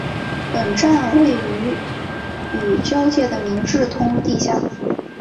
本站位于与交界的明治通地下。